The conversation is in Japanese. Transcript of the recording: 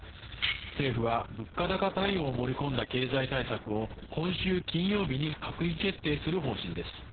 政府は物価高対応を盛り込んだ経済対策を、今週金曜日に閣議決定する方針です。